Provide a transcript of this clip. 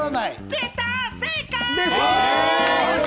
出た、正解！